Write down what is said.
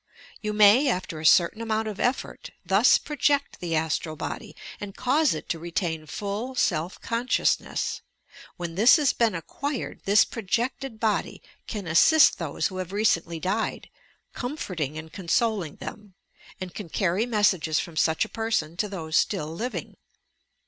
You may, after a certain amount of effort, thus project the astral body, and cause it to retain full 4elf Gonsciou3nei«, When this has been acquired this projected body can assist those who have recently died, comforting and consoling them, and can carry mesa^es from such a person to those still living.